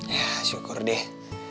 ya syukur deh